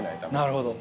なるほど。